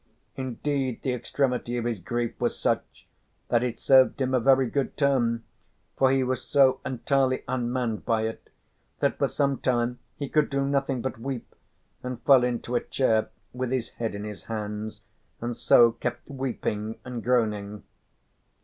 Indeed the extremity of his grief was such that it served him a very good turn, for he was so entirely unmanned by it that for some time he could do nothing but weep, and fell into a chair with his head in his hands, and so kept weeping and groaning.